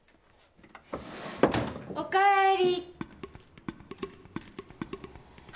おかえり。